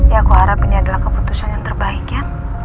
ya aku harap ini adalah keputusan yang terbaik ya